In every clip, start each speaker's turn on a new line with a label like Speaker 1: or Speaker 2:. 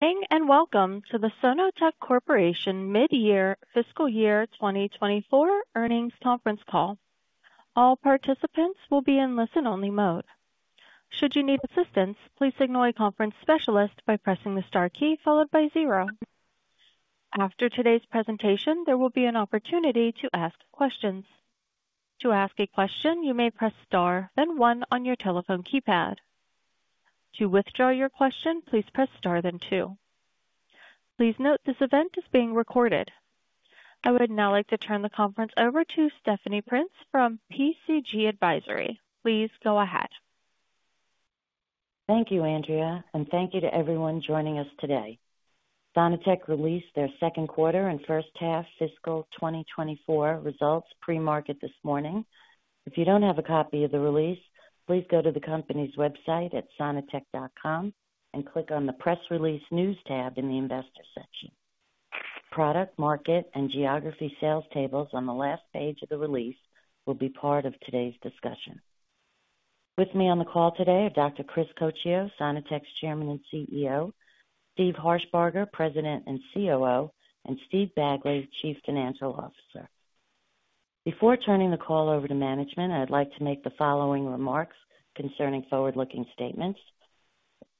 Speaker 1: Good morning, and welcome to the Sono-Tek Corporation Mid-Year Fiscal Year 2024 Earnings Conference Call. All participants will be in listen-only mode. Should you need assistance, please signal a conference specialist by pressing the star key followed by zero. After today's presentation, there will be an opportunity to ask questions. To ask a question, you may press star, then one on your telephone keypad. To withdraw your question, please press star, then two. Please note, this event is being recorded. I would now like to turn the conference over to Stephanie Prince from PCG Advisory. Please go ahead.
Speaker 2: Thank you, Andrea, and thank you to everyone joining us today. Sono-Tek released their Q2 and first half fiscal 2024 results pre-market this morning. If you don't have a copy of the release, please go to the company's website at sono-tek.com and click on the Press Release News tab in the Investor section. Product, market, and geography sales tables on the last page of the release will be part of today's discussion. With me on the call today are Dr. Chris Coccio, Sono-Tek's Chairman and CEO, Steve Harshbarger, President and COO, and Steve Bagley, Chief Financial Officer. Before turning the call over to management, I'd like to make the following remarks concerning forward-looking statements.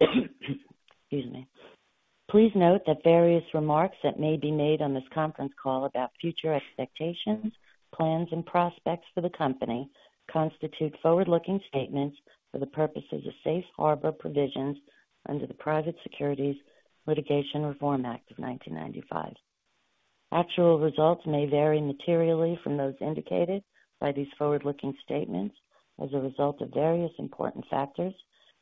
Speaker 2: Excuse me. Please note that various remarks that may be made on this conference call about future expectations, plans, and prospects for the company constitute forward-looking statements for the purposes of safe harbor provisions under the Private Securities Litigation Reform Act of 1995. Actual results may vary materially from those indicated by these forward-looking statements as a result of various important factors,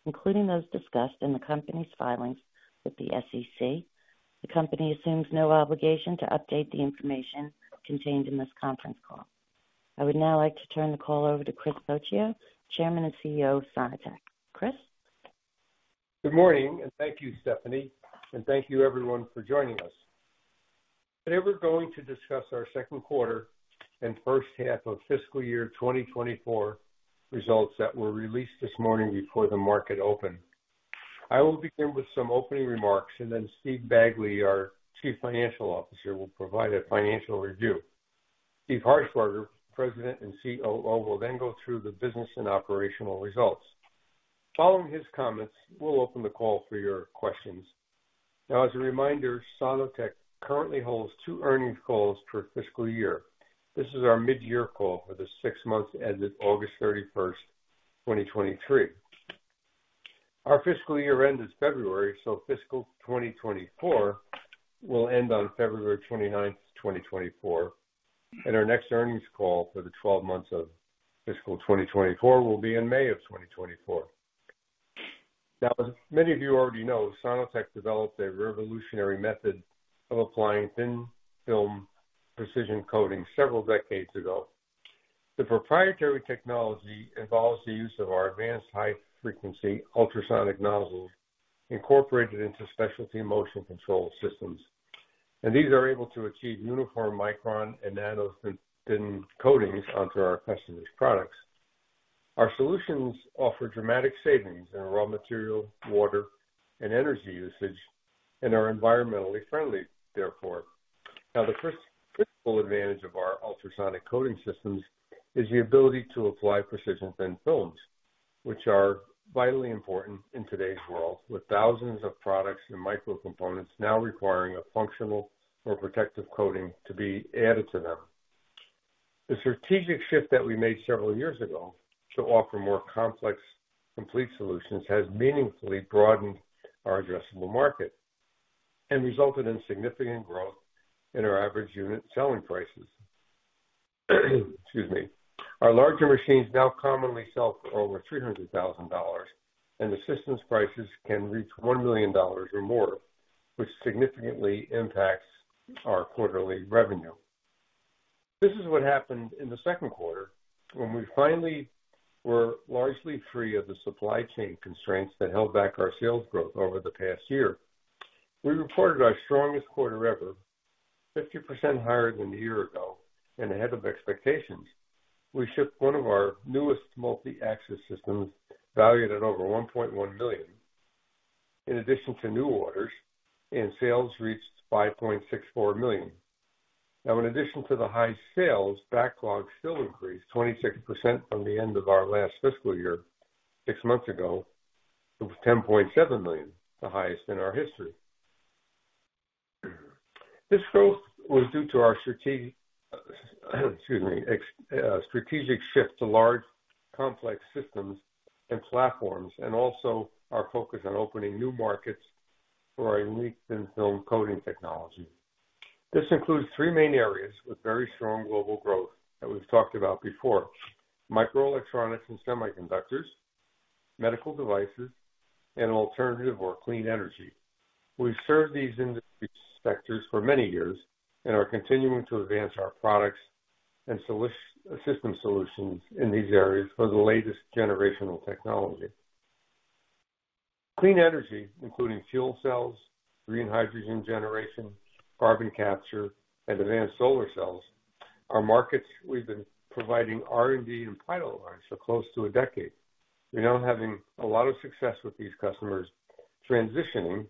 Speaker 2: including those discussed in the company's filings with the SEC. The company assumes no obligation to update the information contained in this conference call. I would now like to turn the call over to Chris Coccio, Chairman and CEO of Sono-Tek. Chris?
Speaker 3: Good morning, and thank you, Stephanie, and thank you everyone for joining us. Today, we're going to discuss our Q2 and first half of fiscal year 2024 results that were released this morning before the market opened. I will begin with some opening remarks, and then Steve Bagley, our Chief Financial Officer, will provide a financial review. Steve Harshbarger, President and COO, will then go through the business and operational results. Following his comments, we'll open the call for your questions. Now, as a reminder, Sono-Tek currently holds two earnings calls per fiscal year. This is our mid-year call for the six months ended August 31, 2023. Our fiscal year end is February, so fiscal 2024 will end on February 29, 2024, and our next earnings call for the 12 months of fiscal 2024 will be in May of 2024. Now, as many of you already know, Sono-Tek developed a revolutionary method of applying thin-film precision coating several decades ago. The proprietary technology involves the use of our advanced high-frequency ultrasonic nozzles incorporated into specialty motion control systems, and these are able to achieve uniform micron and nano-thin, thin coatings onto our customers' products. Our solutions offer dramatic savings in raw material, water, and energy usage, and are environmentally friendly, therefore. Now, the first principle advantage of our ultrasonic coating systems is the ability to apply precision thin films, which are vitally important in today's world, with thousands of products and microcomponents now requiring a functional or protective coating to be added to them. The strategic shift that we made several years ago to offer more complex, complete solutions has meaningfully broadened our addressable market and resulted in significant growth in our average unit selling prices. Excuse me. Our larger machines now commonly sell for over $300,000, and the system's prices can reach $1 million or more, which significantly impacts our quarterly revenue. This is what happened in the Q2 when we finally were largely free of the supply chain constraints that held back our sales growth over the past year. We reported our strongest quarter ever, 50% higher than a year ago, and ahead of expectations. We shipped one of our newest multi-axis systems, valued at over $1.1 million. In addition to new orders, and sales reached $5.64 million. Now, in addition to the high sales, backlog still increased 26% from the end of our last fiscal year, six months ago, to $10.7 million, the highest in our history. This growth was due to our strategic shift to large complex systems and platforms, and also our focus on opening new markets for our unique thin-film coating technology. This includes three main areas with very strong global growth that we've talked about before: microelectronics and semiconductors, medical devices, and alternative or clean energy. We've served these industry sectors for many years and are continuing to advance our products and system solutions in these areas for the latest generational technology. Clean energy, including fuel cells, green hydrogen generation, carbon capture, and advanced solar cells.... Our markets, we've been providing R&D and pilot lines for close to a decade. We're now having a lot of success with these customers transitioning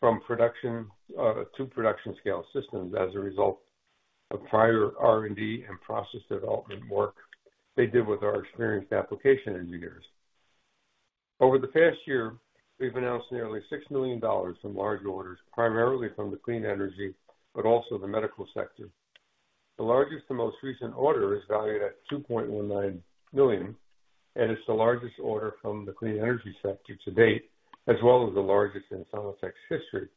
Speaker 3: from production to production scale systems as a result of prior R&D and process development work they did with our experienced application engineers. Over the past year, we've announced nearly $6 million from large orders, primarily from the clean energy, but also the medical sector. The largest and most recent order is valued at $2.19 million, and it's the largest order from the clean energy sector to date, as well as the largest in Sono-Tek's history.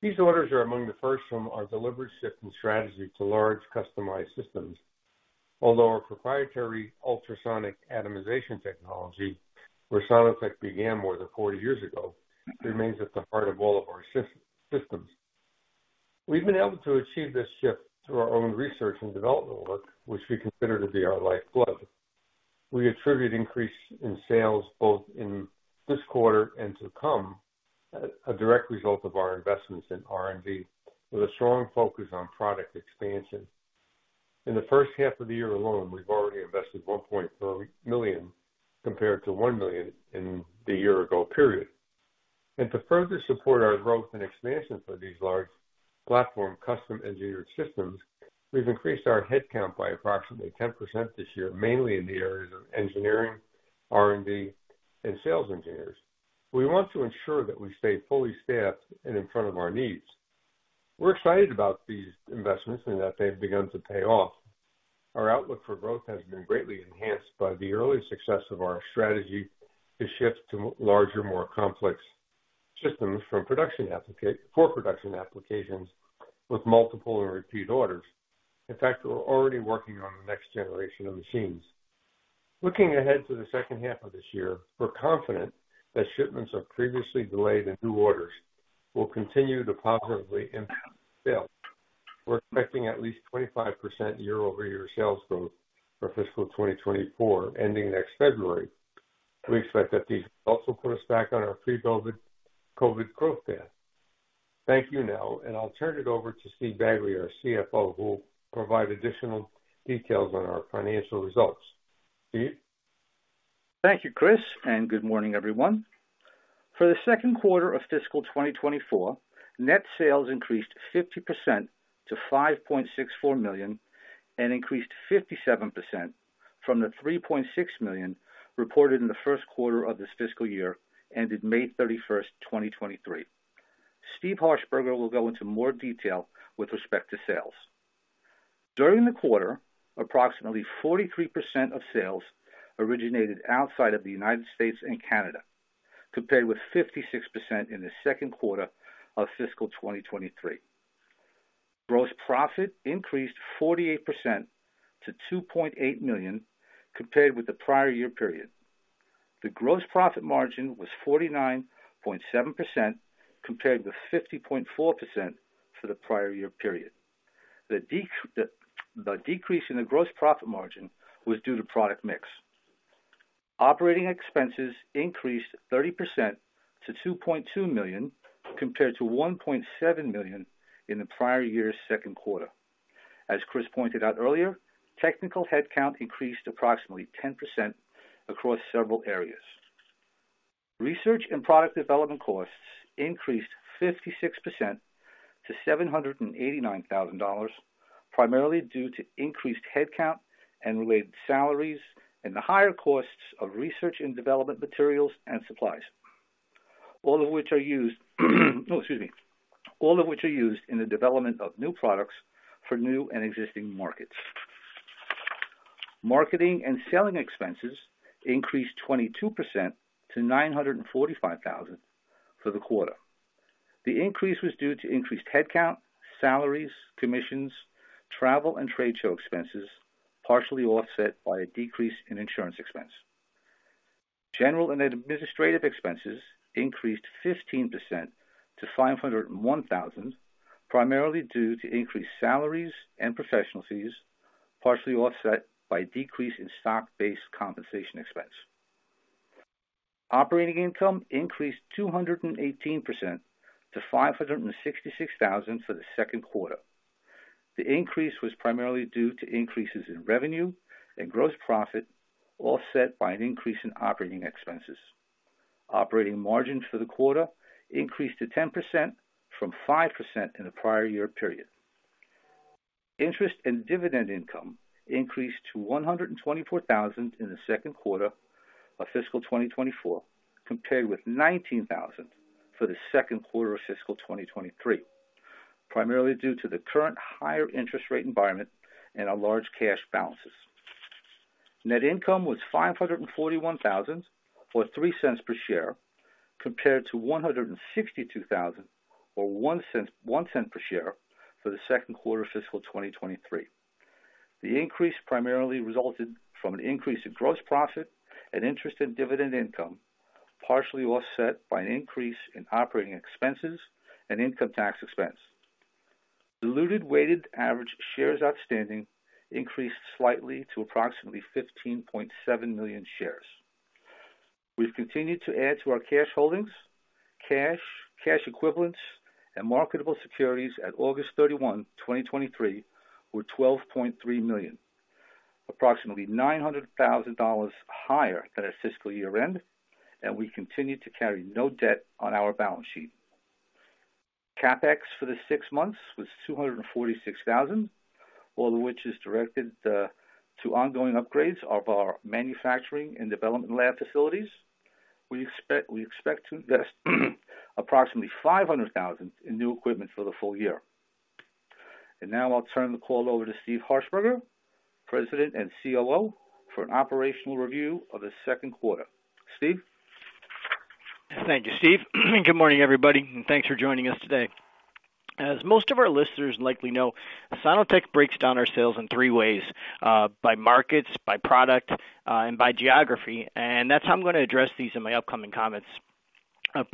Speaker 3: These orders are among the first from our deliberate shift in strategy to large customized systems. Although our proprietary ultrasonic atomization technology, where Sono-Tek began more than 40 years ago, remains at the heart of all of our systems. We've been able to achieve this shift through our own research and development work, which we consider to be our lifeblood. We attribute increase in sales both in this quarter and to come, a direct result of our investments in R&D, with a strong focus on product expansion. In the first half of the year alone, we've already invested $1.4 million, compared to $1 million in the year ago period. To further support our growth and expansion for these large platform, custom-engineered systems, we've increased our headcount by approximately 10% this year, mainly in the areas of engineering, R&D, and sales engineers. We want to ensure that we stay fully staffed and in front of our needs. We're excited about these investments and that they've begun to pay off. Our outlook for growth has been greatly enhanced by the early success of our strategy to shift to larger, more complex systems for production applications with multiple and repeat orders. In fact, we're already working on the next generation of machines. Looking ahead to the second half of this year, we're confident that shipments of previously delayed and new orders will continue to positively impact sales. We're expecting at least 25% year-over-year sales growth for fiscal 2024, ending next February. We expect that these will also put us back on our pre-COVID COVID growth path. Thank you, now, and I'll turn it over to Steve Bagley, our CFO, who will provide additional details on our financial results. Steve?
Speaker 4: Thank you, Chris, and good morning, everyone. For the Q2 of fiscal 2024, net sales increased 50% to $5.64 million, and increased 57% from the $3.6 million reported in the Q1 of this fiscal year, ended May 31, 2023. Steve Harshbarger will go into more detail with respect to sales. During the quarter, approximately 43% of sales originated outside of the United States and Canada, compared with 56% in the Q2 of fiscal 2023. Gross profit increased 48% to $2.8 million, compared with the prior year period. The gross profit margin was 49.7%, compared to 50.4% for the prior year period. The decrease in the gross profit margin was due to product mix. Operating expenses increased 30% to $2.2 million, compared to $1.7 million in the prior year's Q2. As Chris pointed out earlier, technical headcount increased approximately 10% across several areas. Research and product development costs increased 56% to $789,000, primarily due to increased headcount and related salaries, and the higher costs of research and development materials and supplies, all of which are used in the development of new products for new and existing markets. Marketing and selling expenses increased 22% to $945,000 for the quarter. The increase was due to increased headcount, salaries, commissions, travel, and trade show expenses, partially offset by a decrease in insurance expense. General and administrative expenses increased 15% to $501,000, primarily due to increased salaries and professional fees, partially offset by a decrease in stock-based compensation expense. Operating income increased 218% to $566,000 for the Q2. The increase was primarily due to increases in revenue and gross profit, offset by an increase in operating expenses. Operating margins for the quarter increased to 10% from 5% in the prior year period. Interest and dividend income increased to $124,000 in the Q2 of fiscal 2024, compared with $19,000 for the Q2 of fiscal 2023, primarily due to the current higher interest rate environment and our large cash balances. Net income was $541,000, or $0.03 per share, compared to $162,000 or $0.01 per share for the Q2 of fiscal 2023. The increase primarily resulted from an increase in gross profit and interest in dividend income, partially offset by an increase in operating expenses and income tax expense. Diluted weighted average shares outstanding increased slightly to approximately 15.7 million shares.... We've continued to add to our cash holdings, cash, cash equivalents, and marketable securities at August 31, 2023, were $12.3 million, approximately $900,000 higher than our fiscal year end, and we continue to carry no debt on our balance sheet. CapEx for the six months was $246,000, all of which is directed to ongoing upgrades of our manufacturing and development lab facilities. We expect to invest approximately $500,000 in new equipment for the full year. And now I'll turn the call over to Steve Harshbarger, President and COO, for an operational review of the Q2. Steve?
Speaker 5: Thank you, Steve. Good morning, everybody, and thanks for joining us today. As most of our listeners likely know, Sono-Tek breaks down our sales in three ways, by markets, by product, and by geography, and that's how I'm gonna address these in my upcoming comments.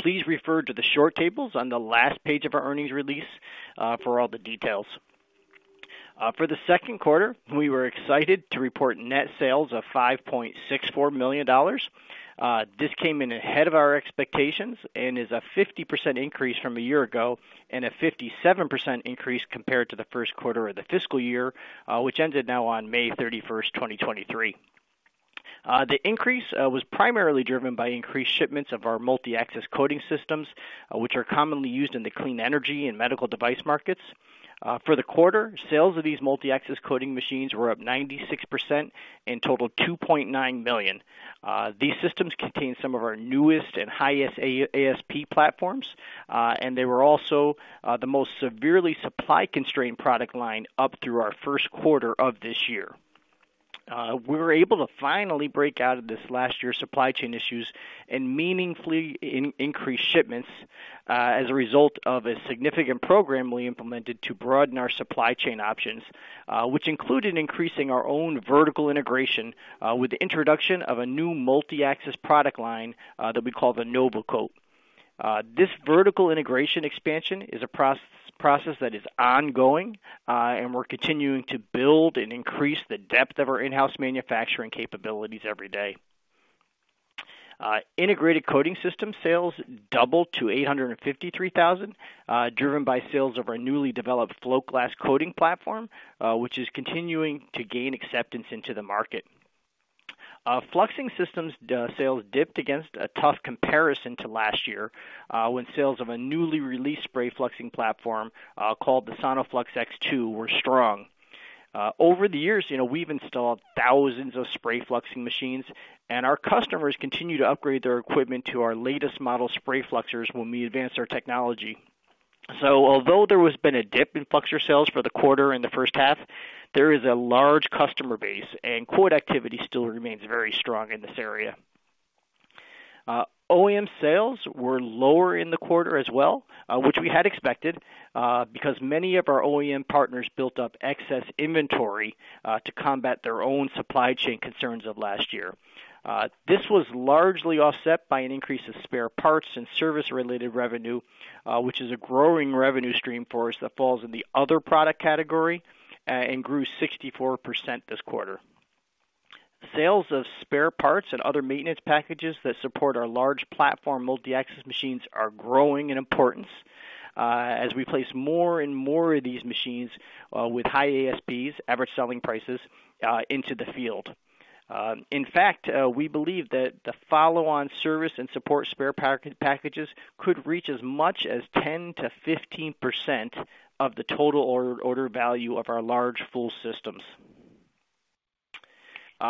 Speaker 5: Please refer to the short tables on the last page of our earnings release for all the details. For the Q2, we were excited to report net sales of $5.64 million. This came in ahead of our expectations and is a 50% increase from a year ago and a 57% increase compared to the Q1 of the fiscal year, which ended now on May thirty-first, twenty twenty-three. The increase was primarily driven by increased shipments of our multi-axis coating systems, which are commonly used in the clean energy and medical device markets. For the quarter, sales of these multi-axis coating machines were up 96% and totaled $2.9 million. These systems contain some of our newest and highest ASP platforms, and they were also the most severely supply-constrained product line up through our Q1 of this year. We were able to finally break out of this last year's supply chain issues and meaningfully increase shipments, as a result of a significant program we implemented to broaden our supply chain options, which included increasing our own vertical integration, with the introduction of a new multi-axis product line, that we call the NovaCoat. This vertical integration expansion is a process that is ongoing, and we're continuing to build and increase the depth of our in-house manufacturing capabilities every day. Integrated coating system sales doubled to $853,000, driven by sales of our newly developed float glass coating platform, which is continuing to gain acceptance into the market. Fluxing systems sales dipped against a tough comparison to last year, when sales of a newly released spray fluxing platform, called the SonoFlux X2, were strong. Over the years, you know, we've installed thousands of spray fluxing machines, and our customers continue to upgrade their equipment to our latest model spray fluxers when we advance our technology. So although there has been a dip in fluxer sales for the quarter in the first half, there is a large customer base, and quote activity still remains very strong in this area. OEM sales were lower in the quarter as well, which we had expected, because many of our OEM partners built up excess inventory, to combat their own supply chain concerns of last year. This was largely offset by an increase of spare parts and service-related revenue, which is a growing revenue stream for us that falls in the other product category, and grew 64% this quarter. Sales of spare parts and other maintenance packages that support our large platform multi-axis machines are growing in importance, as we place more and more of these machines, with high ASPs, average selling prices, into the field. In fact, we believe that the follow-on service and support spare packages could reach as much as 10%-15% of the total order value of our large full systems.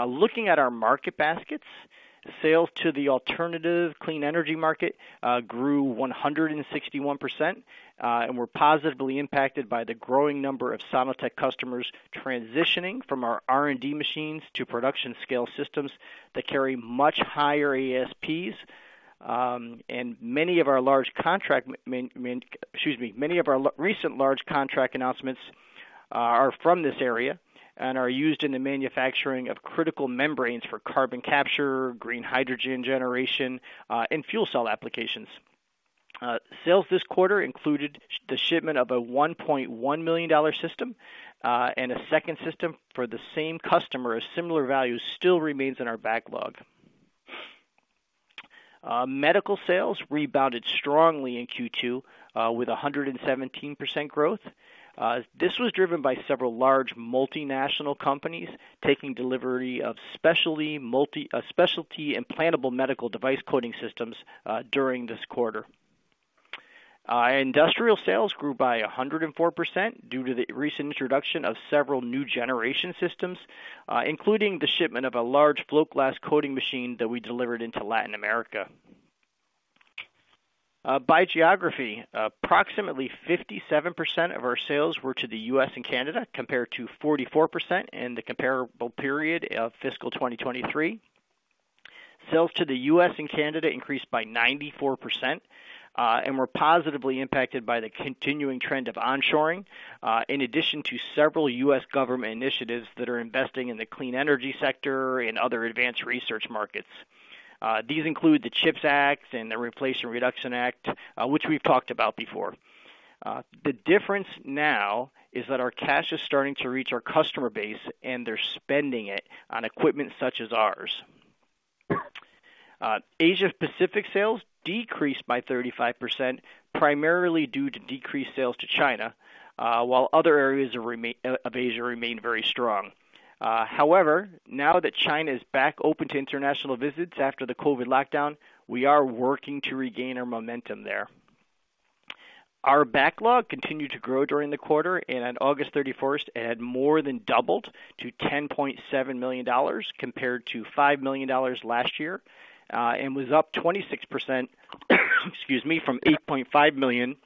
Speaker 5: Looking at our market baskets, sales to the alternative clean energy market grew 161% and were positively impacted by the growing number of Sono-Tek customers transitioning from our R&D machines to production scale systems that carry much higher ASPs. And many of our recent large contract announcements are from this area and are used in the manufacturing of critical membranes for carbon capture, green hydrogen generation, and fuel cell applications. Sales this quarter included the shipment of a $1.1 million system, and a second system for the same customer of similar value still remains in our backlog. Medical sales rebounded strongly in Q2, with 117% growth. This was driven by several large multinational companies taking delivery of specialty implantable medical device coating systems during this quarter. Industrial sales grew by 104% due to the recent introduction of several new generation systems, including the shipment of a large float glass coating machine that we delivered into Latin America. By geography, approximately 57% of our sales were to the U.S. and Canada, compared to 44% in the comparable period of fiscal 2023. Sales to the U.S. and Canada increased by 94% and were positively impacted by the continuing trend of onshoring, in addition to several U.S. government initiatives that are investing in the clean energy sector and other advanced research markets. These include the CHIPS Act and the Inflation Reduction Act, which we've talked about before. The difference now is that our cash is starting to reach our customer base, and they're spending it on equipment such as ours. Asia Pacific sales decreased by 35%, primarily due to decreased sales to China, while other areas of Asia remain very strong. However, now that China is back open to international visits after the COVID lockdown, we are working to regain our momentum there. Our backlog continued to grow during the quarter, and on August 31st, it had more than doubled to $10.7 million compared to $5 million last year, and was up 26%, excuse me, from $8.5 million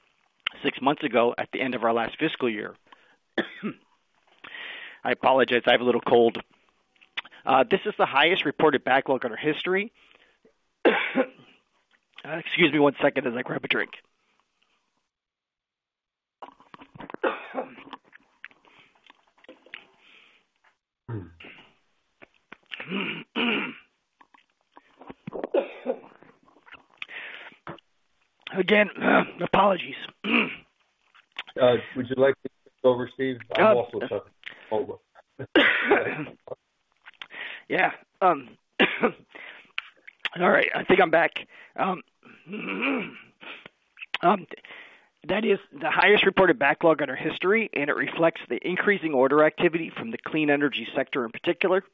Speaker 5: six months ago at the end of our last fiscal year. I apologize, I have a little cold. This is the highest reported backlog in our history. Excuse me one second as I grab a drink. Again, apologies.
Speaker 3: Would you like to take over, Steve? I'm also sorry.
Speaker 5: Yeah. All right, I think I'm back. That is the highest reported backlog in our history, and it reflects the increasing order activity from the clean energy sector in particular.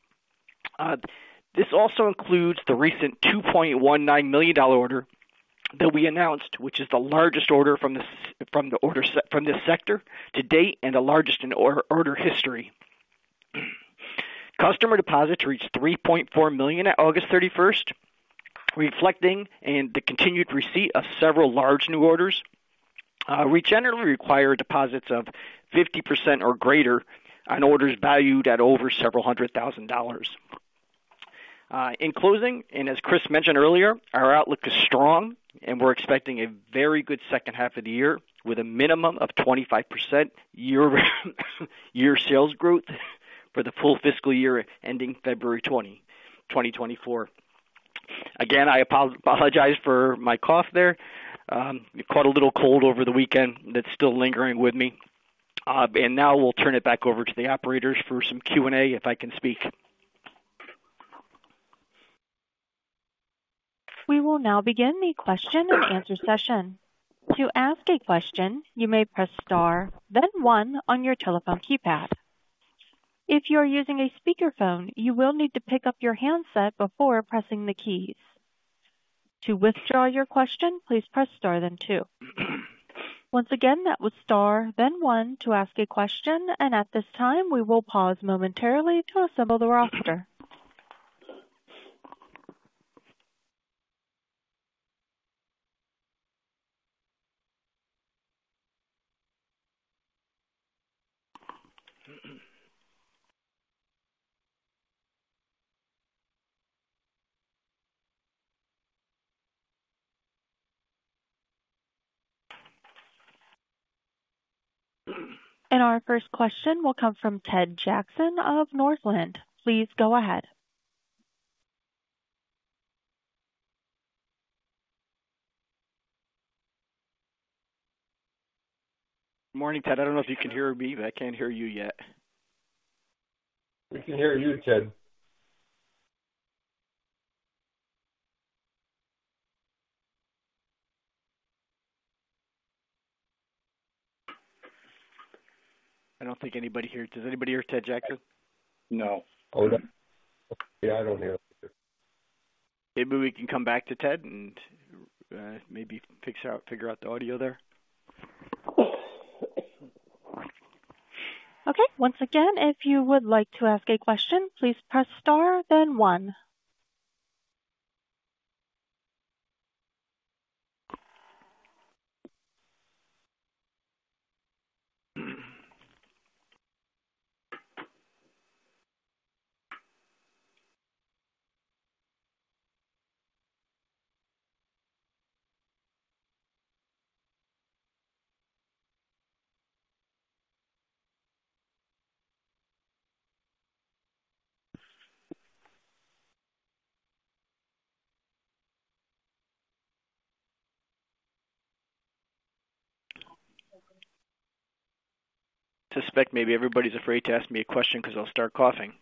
Speaker 5: This also includes the recent $2.19 million order that we announced, which is the largest order from the order se- from this sector to date and the largest in order history. Customer deposits reached $3.4 million at August thirty-first, reflecting in the continued receipt of several large new orders. We generally require deposits of 50% or greater on orders valued at over several hundred thousand dollars. In closing, and as Chris mentioned earlier, our outlook is strong, and we're expecting a very good second half of the year, with a minimum of 25% year-over-year sales growth for the full fiscal year ending February 20, 2024. Again, I apologize for my cough there. I caught a little cold over the weekend that's still lingering with me. But now we'll turn it back over to the operators for some Q&A, if I can speak.
Speaker 1: We will now begin the question and answer session. To ask a question, you may press Star, then one on your telephone keypad. If you are using a speakerphone, you will need to pick up your handset before pressing the keys. To withdraw your question, please press Star, then two. Once again, that was Star, then one to ask a question, and at this time, we will pause momentarily to assemble the roster. Our first question will come from Ted Jackson of Northland. Please go ahead.
Speaker 5: Morning, Ted. I don't know if you can hear me, but I can't hear you yet.
Speaker 3: We can hear you, Ted.
Speaker 5: I don't think anybody hears. Does anybody hear Ted Jackson?
Speaker 3: No.
Speaker 4: Yeah, I don't hear him.
Speaker 5: Maybe we can come back to Ted and, maybe figure out the audio there.
Speaker 1: Okay. Once again, if you would like to ask a question, please press Star, then one.
Speaker 5: I suspect maybe everybody's afraid to ask me a question because I'll start coughing.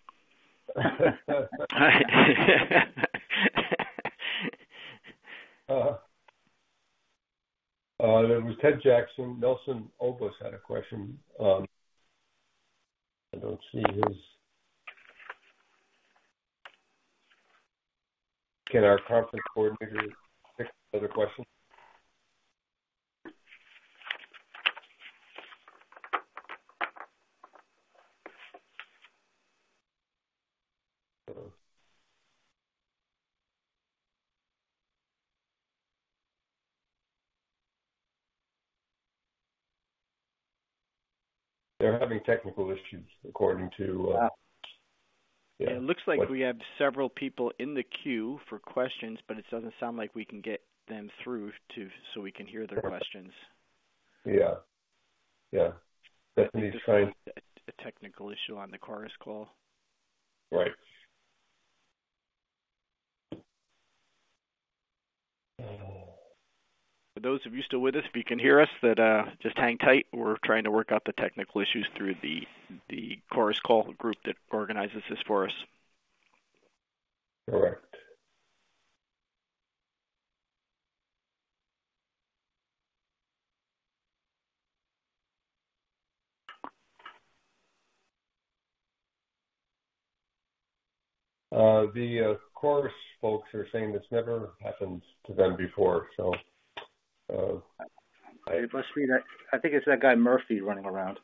Speaker 3: It was Ted Jackson. Nelson Obus had a question. I don't see his... Can our conference coordinator pick another question? They're having technical issues, according to.
Speaker 5: Yeah, it looks like we have several people in the queue for questions, but it doesn't sound like we can get them through to, so we can hear their questions.
Speaker 3: Yeah. Yeah. Let me find-
Speaker 5: A technical issue on the Chorus Call.
Speaker 3: Right.
Speaker 5: ...For those of you still with us, if you can hear us, that just hang tight. We're trying to work out the technical issues through the Chorus Call Group that organizes this for us.
Speaker 3: Correct. The Chorus folks are saying this never happened to them before, so,
Speaker 5: It must be that. I think it's that guy, Murphy, running around.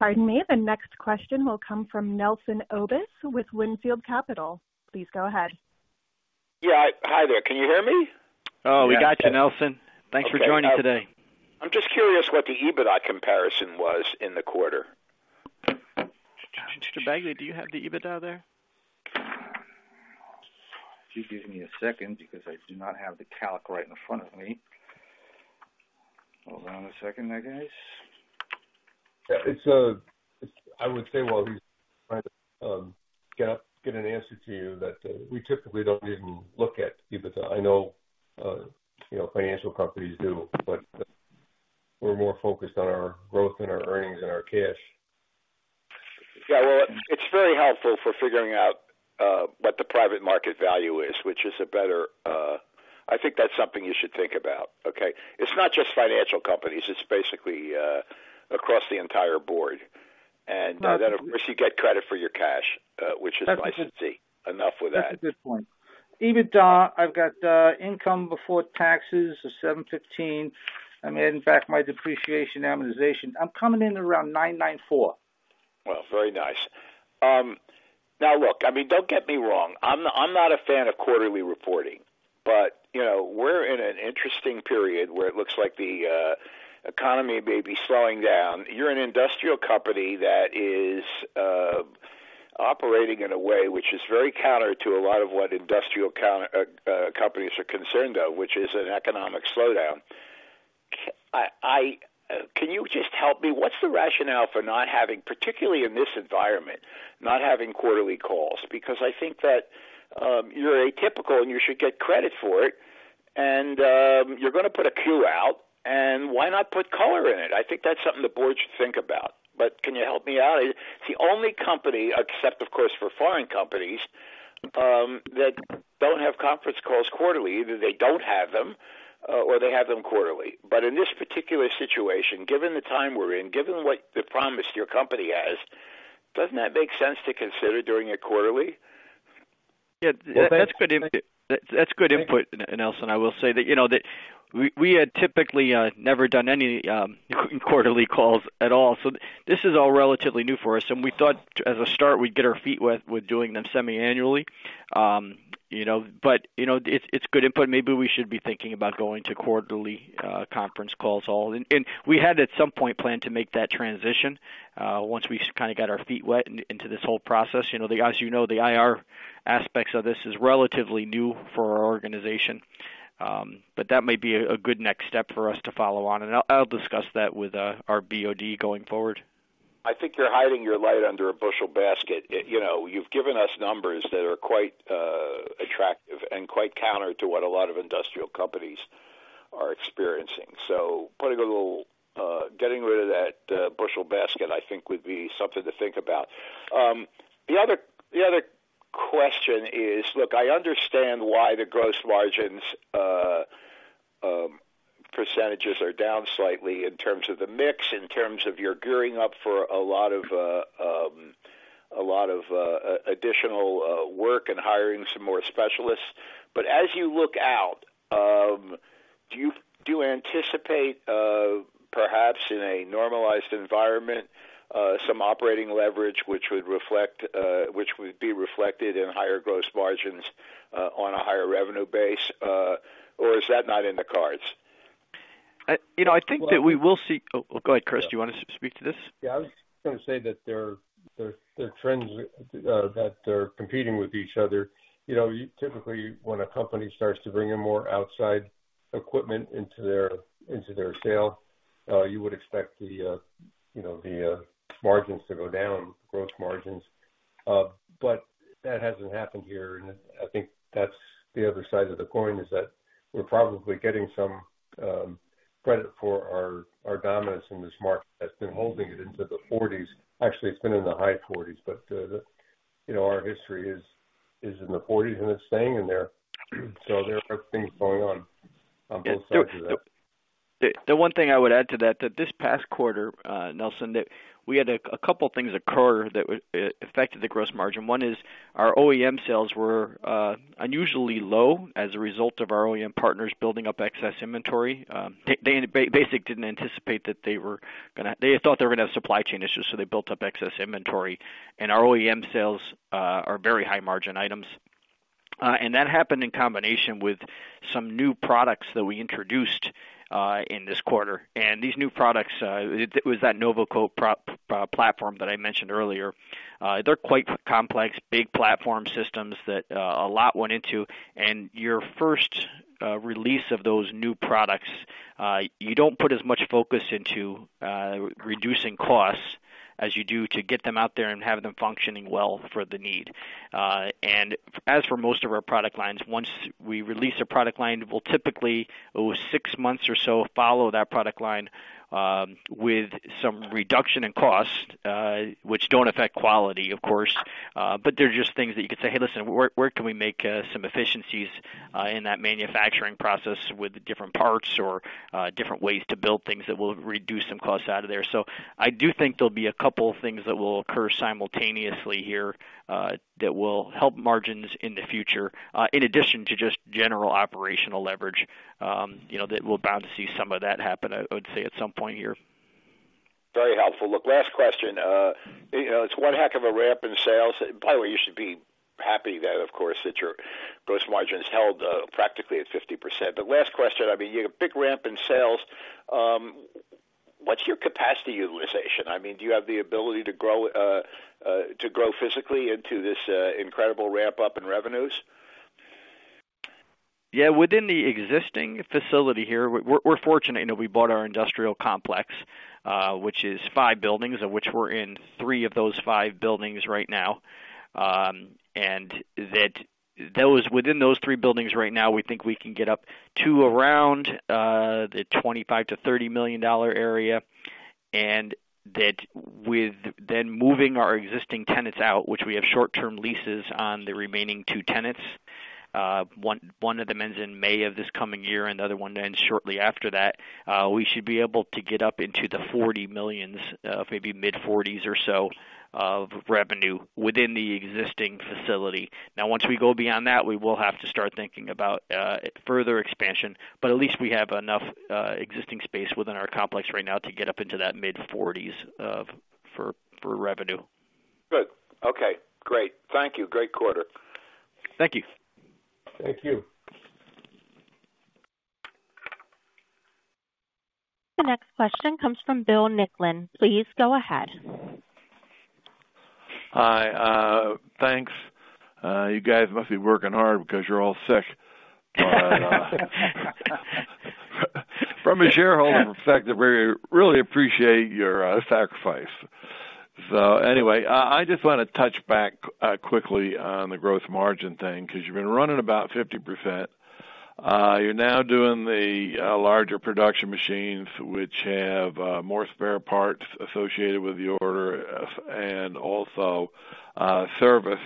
Speaker 1: Pardon me. The next question will come from Nelson Obus, with Wynnefield Capital. Please go ahead.
Speaker 6: Yeah. Hi there. Can you hear me?
Speaker 5: Oh, we got you, Nelson. Thanks for joining today.
Speaker 6: I'm just curious what the EBITDA comparison was in the quarter?
Speaker 5: Mr. Bagley, do you have the EBITDA there?
Speaker 4: Just give me a second because I do not have the calc right in front of me. Hold on a second there, guys. Yeah, it's, I would say while we try to get an answer to you, that we typically don't even look at EBITDA. I know, you know, financial companies do, but we're more focused on our growth and our earnings and our cash.
Speaker 6: Yeah, well, it's very helpful for figuring out what the private market value is, which is a better. I think that's something you should think about, okay? It's not just financial companies, it's basically across the entire board. And then, of course, you get credit for your cash, which is plenty. Enough with that.
Speaker 5: That's a good point. EBITDA, I've got income before taxes of $715. I'm adding back my depreciation, amortization. I'm coming in around $994.
Speaker 6: Well, very nice. Now, look, I mean, don't get me wrong, I'm not a fan of quarterly reporting, but, you know, we're in an interesting period where it looks like the economy may be slowing down. You're an industrial company that is operating in a way which is very counter to a lot of what industrial companies are concerned of, which is an economic slowdown. Can you just help me? What's the rationale for not having, particularly in this environment, not having quarterly calls? Because I think that you're atypical, and you should get credit for it, and you're going to put a Q out, and why not put color in it? I think that's something the board should think about. But can you help me out? It's the only company, except, of course, for foreign companies, that don't have conference calls quarterly. Either they don't have them, or they have them quarterly. But in this particular situation, given the time we're in, given what the promise your company has, doesn't that make sense to consider doing it quarterly?
Speaker 5: Yeah, that's good input. That's good input, Nelson. I will say that, you know, that we had typically never done any quarterly calls at all, so this is all relatively new for us, and we thought as a start, we'd get our feet wet with doing them semi-annually. You know, but, you know, it's good input. Maybe we should be thinking about going to quarterly conference calls. All in all and we had, at some point, planned to make that transition, once we kind of got our feet wet into this whole process. You know, as you know, the IR aspects of this is relatively new for our organization. But that may be a good next step for us to follow on, and I'll discuss that with our BOD going forward.
Speaker 6: I think you're hiding your light under a bushel basket. You know, you've given us numbers that are quite, you know, attractive and quite counter to what a lot of industrial companies are experiencing. Putting a little, you know, getting rid of that bushel basket, I think would be something to think about. The other question is... Look, I understand why the gross margins, percentages are down slightly in terms of the mix, in terms of you're gearing up for a lot of, you know, a lot of additional work and hiring some more specialists. As you look out, do you anticipate, perhaps in a normalized environment, some operating leverage, which would be reflected in higher gross margins on a higher revenue base? Or is that not in the cards?
Speaker 5: I, you know, I think that we will see... Oh, go ahead, Chris, do you want to speak to this?
Speaker 3: Yeah, I was going to say that there are trends that are competing with each other. You know, typically, when a company starts to bring in more outside equipment into their sale, you would expect the margins to go down, gross margins. But that hasn't happened here, and I think that's the other side of the coin, is that we're probably getting some credit for our dominance in this market that's been holding it into the forties. Actually, it's been in the high forties, but our history is in the forties, and it's staying in there. So there are things going on, on both sides of that.
Speaker 5: The one thing I would add to that, that this past quarter, Nelson, that we had a couple things occur that affected the gross margin. One is our OEM sales were unusually low as a result of our OEM partners building up excess inventory. They basically didn't anticipate that they were going to have supply chain issues, so they built up excess inventory. Our OEM sales are very high margin items. That happened in combination with some new products that we introduced in this quarter. These new products, it was that NovaCoat platform that I mentioned earlier. They're quite complex, big platform systems that a lot went into. Your first release of those new products, you don't put as much focus into reducing costs... As you do to get them out there and have them functioning well for the need. And as for most of our product lines, once we release a product line, we'll typically, over six months or so, follow that product line with some reduction in cost, which don't affect quality, of course. But they're just things that you can say, "Hey, listen, where can we make some efficiencies in that manufacturing process with different parts or different ways to build things that will reduce some costs out of there?" So I do think there'll be a couple of things that will occur simultaneously here that will help margins in the future, in addition to just general operational leverage. You know, that we're bound to see some of that happen, I would say, at some point here.
Speaker 6: Very helpful. Look, last question. You know, it's one heck of a ramp in sales. By the way, you should be happy that, of course, that your gross margin is held, practically at 50%. But last question, I mean, you had a big ramp in sales. What's your capacity utilization? I mean, do you have the ability to grow, to grow physically into this, incredible ramp-up in revenues?
Speaker 5: Yeah, within the existing facility here, we're fortunate that we bought our industrial complex, which is five buildings, of which we're in three of those five buildings right now. And within those three buildings right now, we think we can get up to around the $25 million-$30 million area, and that with then moving our existing tenants out, which we have short-term leases on the remaining two tenants. One of them ends in May of this coming year, and the other one ends shortly after that. We should be able to get up into the $40 million, maybe mid-$40 million or so of revenue within the existing facility. Now, once we go beyond that, we will have to start thinking about further expansion, but at least we have enough existing space within our complex right now to get up into that mid-40s for revenue.
Speaker 6: Good. Okay, great. Thank you. Great quarter.
Speaker 5: Thank you.
Speaker 6: Thank you.
Speaker 1: The next question comes from Bill Nicklin. Please go ahead.
Speaker 7: Hi, thanks. You guys must be working hard because you're all sick. But from a shareholder perspective, we really appreciate your sacrifice. So anyway, I just want to touch back quickly on the gross margin thing, because you've been running about 50%. You're now doing the larger production machines, which have more spare parts associated with the order and also service.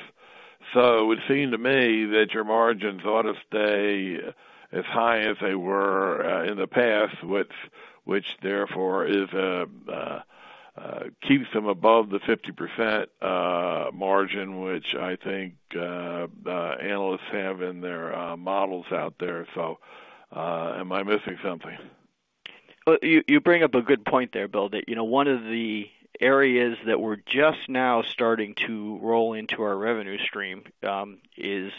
Speaker 7: So it would seem to me that your margins ought to stay as high as they were in the past, which therefore keeps them above the 50% margin, which I think analysts have in their models out there. So, am I missing something?
Speaker 5: Well, you bring up a good point there, Bill, that, you know, one of the areas that we're just now starting to roll into our revenue stream, is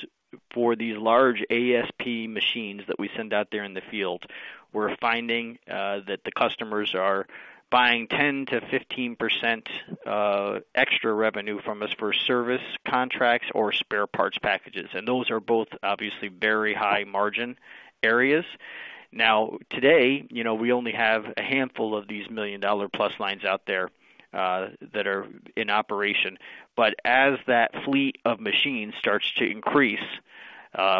Speaker 5: for these large ASP machines that we send out there in the field. We're finding, that the customers are buying 10%-15% extra revenue from us for service contracts or spare parts packages, and those are both obviously very high margin areas. Now, today, you know, we only have a handful of these $1 million-plus lines out there, that are in operation. But as that fleet of machines starts to increase,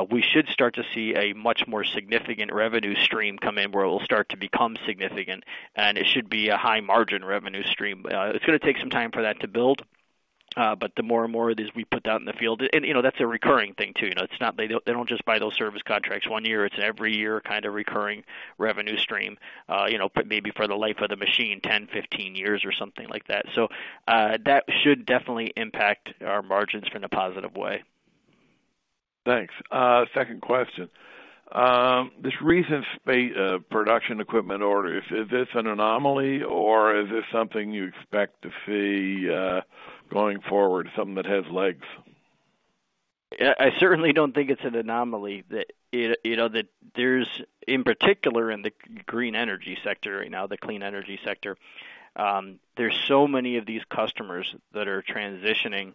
Speaker 5: we should start to see a much more significant revenue stream come in, where it will start to become significant, and it should be a high margin revenue stream. It's going to take some time for that to build, but the more and more of these we put out in the field, and, you know, that's a recurring thing, too. You know, it's not they don't, they don't just buy those service contracts one year. It's every year, kind of, recurring revenue stream, you know, maybe for the life of the machine, 10, 15 years or something like that. So, that should definitely impact our margins in a positive way.
Speaker 7: Thanks. Second question. This recent space production equipment order, is this an anomaly or is this something you expect to see going forward, something that has legs?
Speaker 5: Yeah, I certainly don't think it's an anomaly. That, you know, that there's, in particular in the green energy sector right now, the clean energy sector, there's so many of these customers that are transitioning,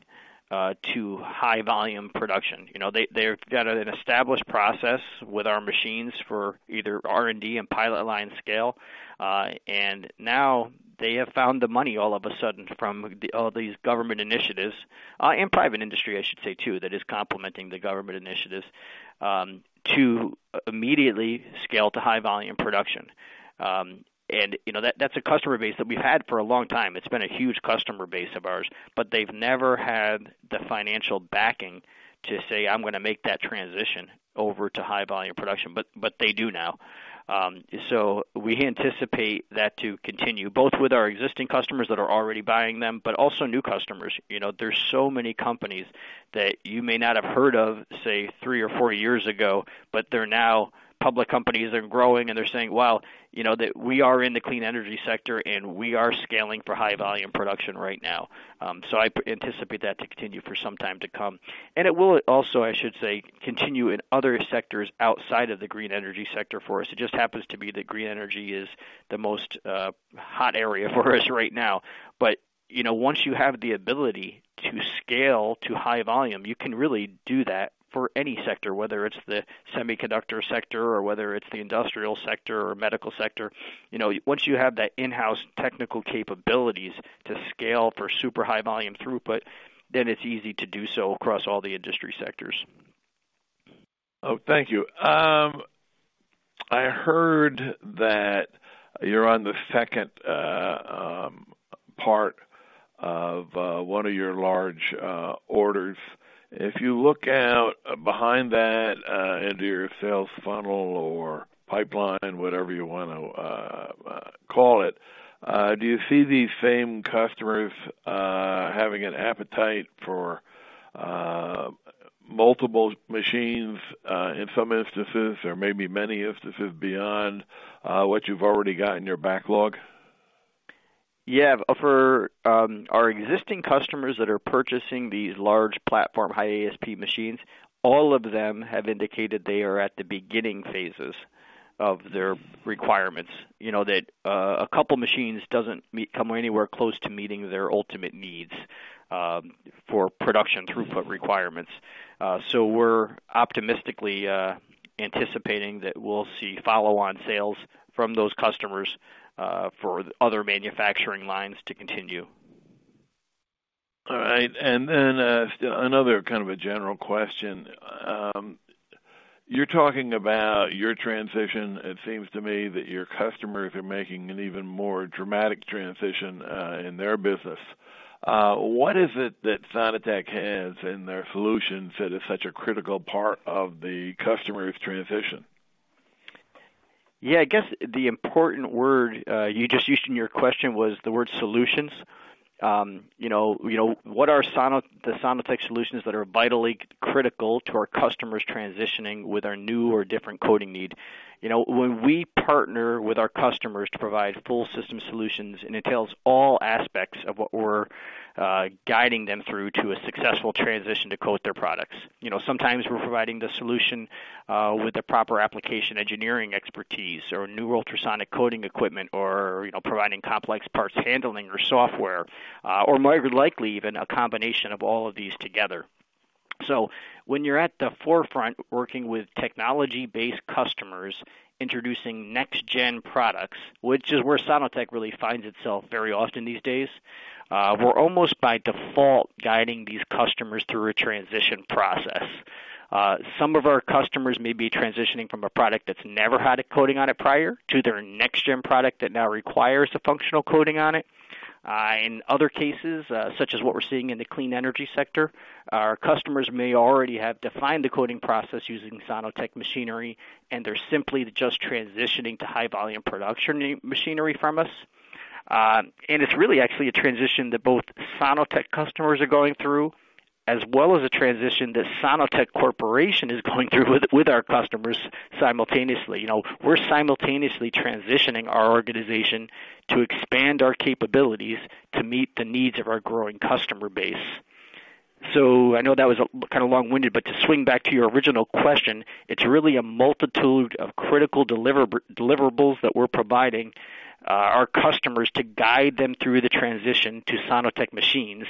Speaker 5: to high volume production. You know, they've got an established process with our machines for either R&D and pilot line scale. And now they have found the money all of a sudden from all these government initiatives, and private industry, I should say, too, that is complementing the government initiatives, to immediately scale to high volume production. And, you know, that's a customer base that we've had for a long time. It's been a huge customer base of ours, but they've never had the financial backing to say, I'm going to make that transition over to high volume production. But they do now. So we anticipate that to continue, both with our existing customers that are already buying them, but also new customers. You know, there's so many companies that you may not have heard of, say, three or four years ago, but they're now public companies. They're growing, and they're saying, "Wow, you know, that we are in the clean energy sector, and we are scaling for high volume production right now." So I anticipate that to continue for some time to come. And it will also, I should say, continue in other sectors outside of the green energy sector for us. It just happens to be that green energy is the most hot area for us right now. But, you know, once you have the ability to scale to high volume, you can really do that for any sector, whether it's the semiconductor sector or whether it's the industrial sector or medical sector. You know, once you have that in-house technical capabilities to scale for super high volume throughput, then it's easy to do so across all the industry sectors....
Speaker 7: Oh, thank you. I heard that you're on the second part of one of your large orders. If you look out behind that into your sales funnel or pipeline, whatever you want to call it, do you see these same customers having an appetite for multiple machines in some instances, or maybe many instances beyond what you've already got in your backlog?
Speaker 5: Yeah, for our existing customers that are purchasing these large platform, high ASP machines, all of them have indicated they are at the beginning phases of their requirements. You know, that a couple machines doesn't come anywhere close to meeting their ultimate needs for production throughput requirements. So we're optimistically anticipating that we'll see follow-on sales from those customers for other manufacturing lines to continue.
Speaker 7: All right. And then, another kind of a general question. You're talking about your transition. It seems to me that your customers are making an even more dramatic transition, in their business. What is it that Sono-Tek has in their solutions that is such a critical part of the customer's transition?
Speaker 5: Yeah, I guess the important word you just used in your question was the word solutions. You know, what are the Sono-Tek solutions that are vitally critical to our customers transitioning with our new or different coating need? You know, when we partner with our customers to provide full system solutions, and it tells all aspects of what we're guiding them through to a successful transition to coat their products. You know, sometimes we're providing the solution with the proper application, engineering expertise, or new ultrasonic coating equipment, or, you know, providing complex parts handling or software, or more likely, even a combination of all of these together. So when you're at the forefront, working with technology-based customers, introducing next gen products, which is where Sono-Tek really finds itself very often these days, we're almost by default guiding these customers through a transition process. Some of our customers may be transitioning from a product that's never had a coating on it prior to their next gen product that now requires a functional coating on it. In other cases, such as what we're seeing in the clean energy sector, our customers may already have defined the coating process using Sono-Tek machinery, and they're simply just transitioning to high volume production machinery from us. And it's really actually a transition that both Sono-Tek customers are going through, as well as a transition that Sono-Tek Corporation is going through with our customers simultaneously. You know, we're simultaneously transitioning our organization to expand our capabilities to meet the needs of our growing customer base. So I know that was kind of long-winded, but to swing back to your original question, it's really a multitude of critical deliverables that we're providing our customers to guide them through the transition to Sono-Tek machines.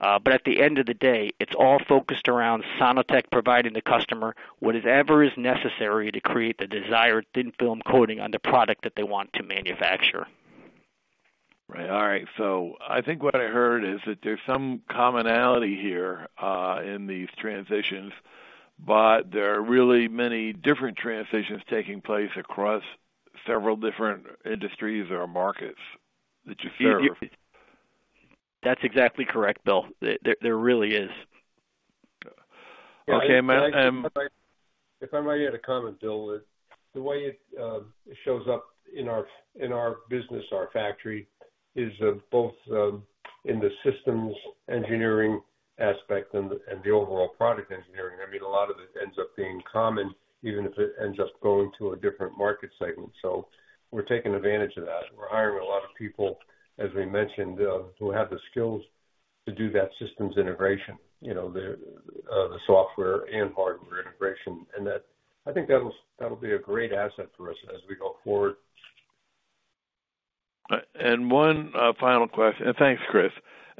Speaker 5: But at the end of the day, it's all focused around Sono-Tek, providing the customer whatever is necessary to create the desired thin-film coating on the product that they want to manufacture.
Speaker 7: Right. All right. So I think what I heard is that there's some commonality here, in these transitions, but there are really many different transitions taking place across several different industries or markets that you serve.
Speaker 5: That's exactly correct, Bill. There really is.
Speaker 7: Okay, um-
Speaker 3: If I might add a comment, Bill. The way it shows up in our business, our factory, is both in the systems engineering aspect and the overall product engineering. I mean, a lot of it ends up being common, even if it ends up going to a different market segment. So we're taking advantage of that. We're hiring a lot of people, as we mentioned, who have the skills to do that systems integration, you know, the software and hardware integration, and that. I think that'll be a great asset for us as we go forward.
Speaker 7: One final question. Thanks, Chris.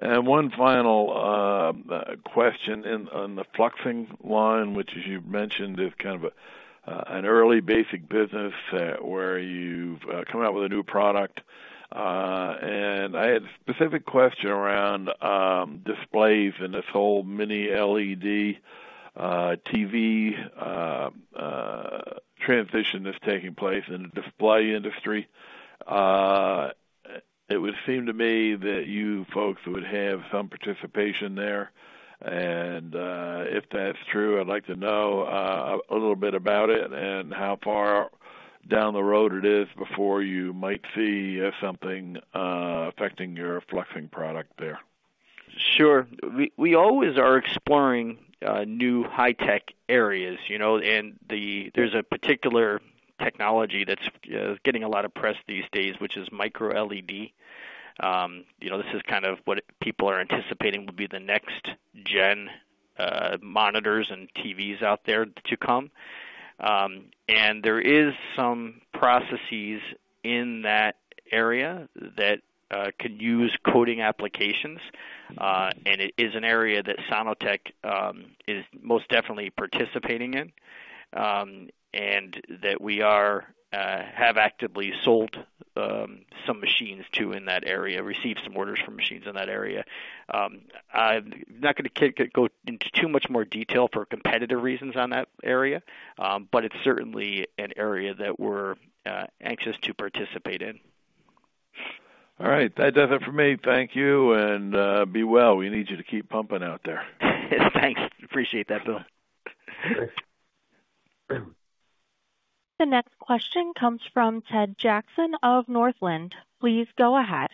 Speaker 7: One final question on the fluxing line, which, as you've mentioned, is kind of an early basic business where you've come out with a new product. And I had a specific question around displays and this whole mini LED TV transition that's taking place in the display industry. It would seem to me that you folks would have some participation there, and if that's true, I'd like to know a little bit about it and how far down the road it is before you might see something affecting your fluxing product there.
Speaker 5: Sure. We, we always are exploring new high tech areas, you know, and there's a particular technology that's getting a lot of press these days, which is Micro LED. You know, this is kind of what people are anticipating will be the next gen monitors and TVs out there to come. And there is some processes in that area that could use coating applications. And it is an area that Sono-Tek is most definitely participating in, and that we are have actively sold some machines to in that area, received some orders for machines in that area. I'm not going to go into too much more detail for competitive reasons on that area, but it's certainly an area that we're anxious to participate in.
Speaker 7: All right, that does it for me. Thank you, and, be well. We need you to keep pumping out there.
Speaker 5: Thanks. Appreciate that, Bill.
Speaker 7: Thanks.
Speaker 1: The next question comes from Ted Jackson of Northland. Please go ahead.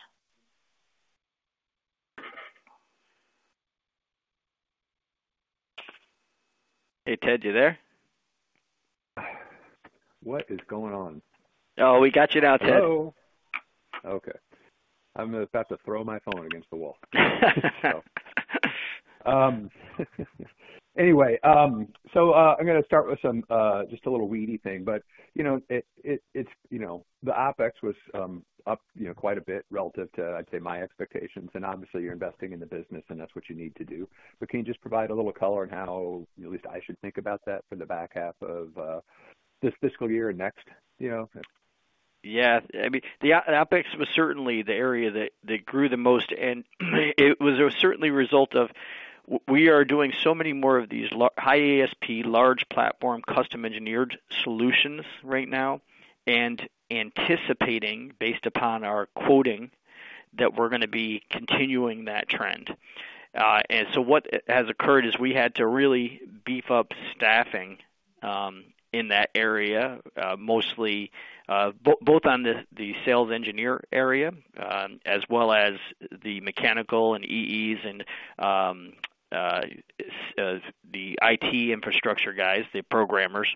Speaker 5: Hey, Ted, you there?
Speaker 8: What is going on?
Speaker 5: Oh, we got you now, Ted.
Speaker 8: Hello! Okay, I'm about to throw my phone against the wall. Anyway, so, I'm going to start with some, just a little weedy thing, but, you know, it, it, it's, you know, the OpEx was up, you know, quite a bit relative to, I'd say, my expectations, and obviously you're investing in the business, and that's what you need to do. But can you just provide a little color on how at least I should think about that for the back half of this fiscal year and next, you know?
Speaker 5: Yeah. I mean, the OpEx was certainly the area that grew the most, and it was certainly a result of we are doing so many more of these high ASP, large platform, custom engineered solutions right now, and anticipating, based upon our quoting, that we're going to be continuing that trend. And so what has occurred is we had to really beef up staffing in that area, mostly both on the sales engineer area, as well as the mechanical and EEs and the IT infrastructure guys, the programmers.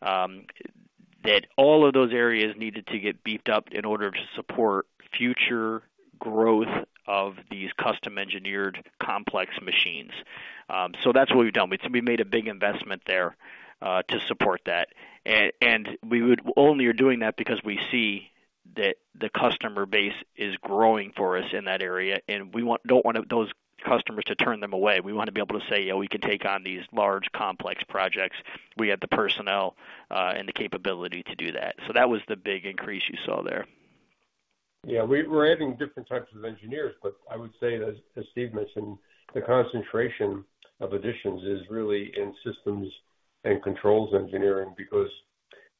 Speaker 5: That all of those areas needed to get beefed up in order to support future growth of these custom engineered, complex machines. So that's what we've done. We made a big investment there to support that. And we would only are doing that because we see that the customer base is growing for us in that area, and we want - don't want those customers to turn them away. We want to be able to say: Yeah, we can take on these large, complex projects. We have the personnel, and the capability to do that. So that was the big increase you saw there.
Speaker 3: Yeah, we're adding different types of engineers, but I would say, as Steve mentioned, the concentration of additions is really in systems and controls engineering, because,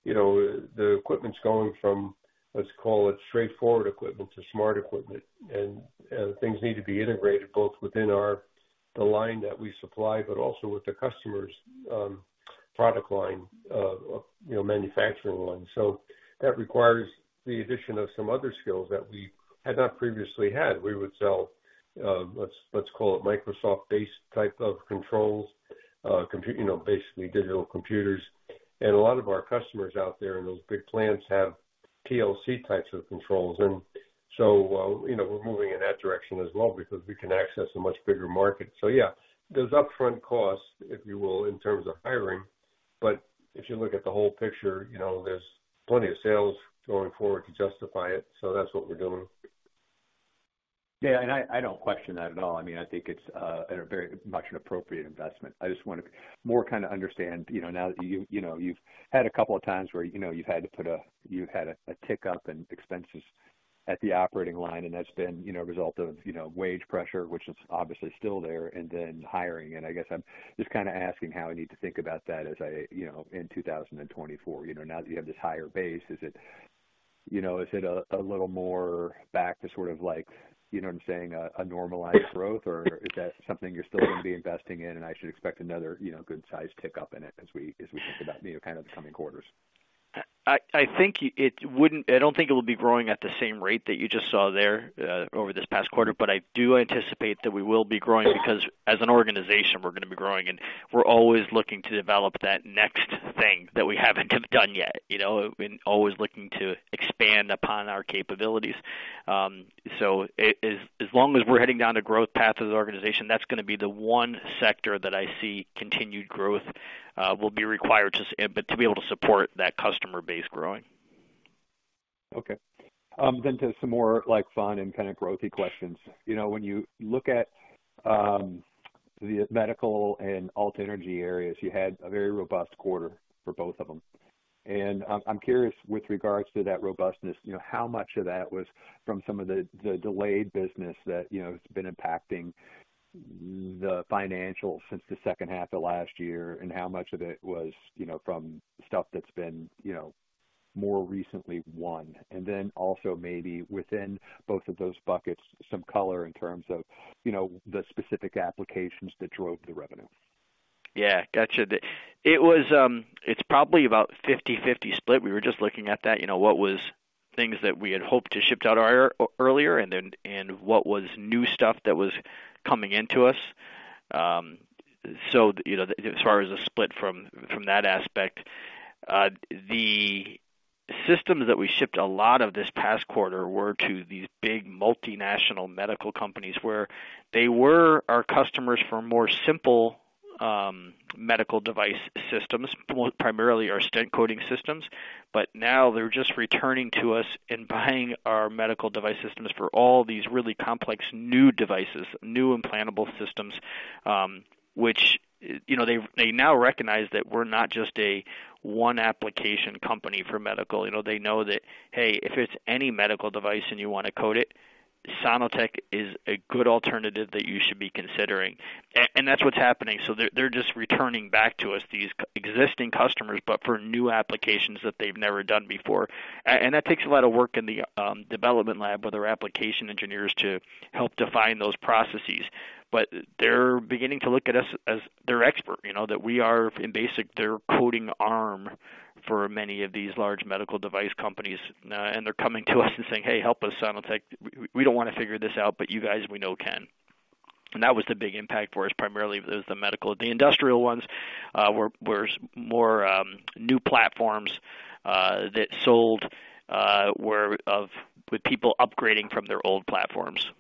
Speaker 3: you know, the equipment's going from, let's call it, straightforward equipment to smart equipment, and things need to be integrated both within our the line that we supply, but also with the customer's product line, you know, manufacturing line. So that requires the addition of some other skills that we had not previously had. We would sell, let's call it Microsoft-based type of controls, compute, you know, basically digital computers. And a lot of our customers out there in those big plants have PLC types of controls, and so, you know, we're moving in that direction as well because we can access a much bigger market. So yeah, there's upfront costs, if you will, in terms of hiring, but if you look at the whole picture, you know, there's plenty of sales going forward to justify it. So that's what we're doing.
Speaker 8: Yeah, and I don't question that at all. I mean, I think it's a very much an appropriate investment. I just want to more kind of understand, you know, now that you, you know, you've had a couple of times where, you know, you've had a tick up in expenses at the operating line, and that's been, you know, a result of, you know, wage pressure, which is obviously still there, and then hiring. And I guess I'm just kind of asking how I need to think about that as I, you know, in 2024. You know, now that you have this higher base, is it, you know, a little more back to sort of like, you know what I'm saying, a normalized growth, or is that something you're still going to be investing in, and I should expect another, you know, good size tick up in it as we think about, you know, kind of the coming quarters?
Speaker 5: I think it wouldn't—I don't think it will be growing at the same rate that you just saw there, over this past quarter, but I do anticipate that we will be growing, because as an organization, we're going to be growing, and we're always looking to develop that next thing that we haven't done yet, you know, and always looking to expand upon our capabilities. So as long as we're heading down the growth path of the organization, that's going to be the one sector that I see continued growth will be required to, but to be able to support that customer base growing.
Speaker 8: Okay. Then to some more like fun and kind of growthy questions. You know, when you look at the medical and alt energy areas, you had a very robust quarter for both of them. And I'm curious, with regards to that robustness, you know, how much of that was from some of the delayed business that, you know, has been impacting the financials since the second half of last year, and how much of it was, you know, from stuff that's been, you know, more recently won? And then also maybe within both of those buckets, some color in terms of, you know, the specific applications that drove the revenue.
Speaker 5: Yeah, gotcha. It was, it's probably about 50/50 split. We were just looking at that, you know, what was things that we had hoped to ship out earlier, and then, and what was new stuff that was coming into us. So, you know, as far as the split from, from that aspect, the systems that we shipped a lot of this past quarter were to these big multinational medical companies, where they were our customers for more simple, medical device systems, primarily our stent coating systems. But now they're just returning to us and buying our medical device systems for all these really complex new devices, new implantable systems, which, you know, they, they now recognize that we're not just a one-application company for medical. You know, they know that, hey, if it's any medical device and you want to coat it, Sono-Tek is a good alternative that you should be considering. And that's what's happening. So they're just returning back to us, these existing customers, but for new applications that they've never done before. And that takes a lot of work in the development lab with our application engineers to help define those processes. But they're beginning to look at us as their expert, you know, that we are, in basic, their coating arm for many of these large medical device companies. And they're coming to us and saying, "Hey, help us, Sono-Tek. We don't want to figure this out, but you guys, we know can." And that was the big impact for us, primarily, was the medical. The industrial ones were more new platforms that sold were of the people upgrading from their old platforms.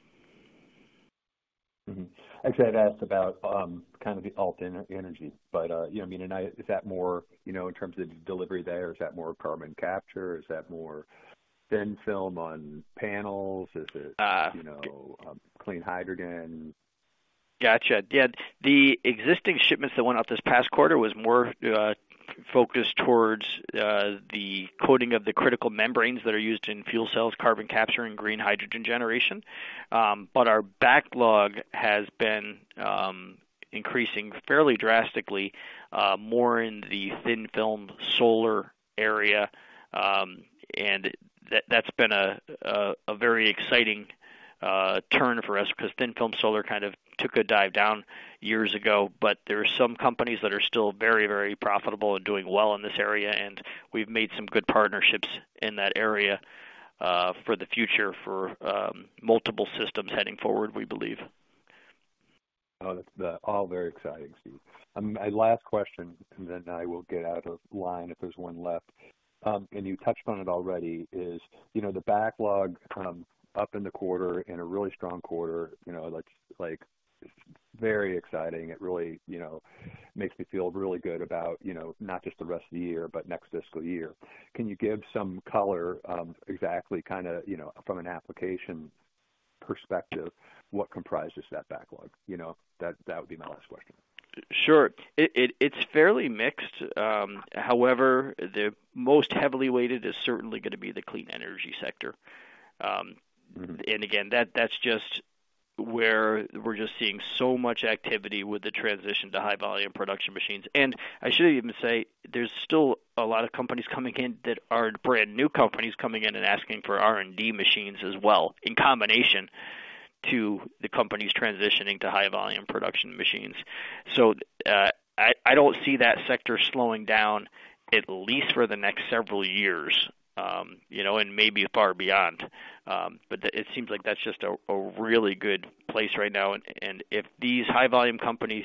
Speaker 8: Mm-hmm. Actually, I've asked about kind of the alternative energy, but you know what I mean? Is that more, you know, in terms of delivery there, is that more carbon capture? Is that more thin-film on panels? Is it,
Speaker 5: Uh-
Speaker 8: you know, clean hydrogen?
Speaker 5: Gotcha. Yeah. The existing shipments that went out this past quarter was more focused towards the coating of the critical membranes that are used in fuel cells, carbon capture, and green hydrogen generation. But our backlog has been increasing fairly drastically more in the thin-film solar area. And that's been a very exciting turn for us, because thin-film solar kind of took a dive down years ago, but there are some companies that are still very, very profitable and doing well in this area, and we've made some good partnerships in that area for the future, for multiple systems heading forward, we believe.
Speaker 8: Oh, that's all very exciting, Steve. My last question, and then I will get out of line if there's one left. And you touched on it already, is, you know, the backlog up in the quarter in a really strong quarter, you know, like, like, very exciting. It really, you know, makes me feel really good about, you know, not just the rest of the year, but next fiscal year. Can you give some color, exactly kind of, you know, from an application perspective, what comprises that backlog? You know, that would be my last question.
Speaker 5: Sure. It's fairly mixed. However, the most heavily weighted is certainly going to be the clean energy sector.
Speaker 8: Mm-hmm.
Speaker 5: And again, that's just where we're just seeing so much activity with the transition to high volume production machines. And I should even say, there's still a lot of companies coming in that are brand new companies coming in and asking for R&D machines as well, in combination to the companies transitioning to high volume production machines. So, I don't see that sector slowing down, at least for the next several years, you know, and maybe far beyond. But it seems like that's just a really good place right now. And if these high volume companies